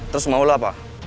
terus maulah pak